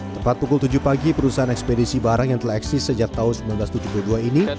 tepat pukul tujuh pagi perusahaan ekspedisi barang yang telah eksis sejak tahun seribu sembilan ratus tujuh puluh dua ini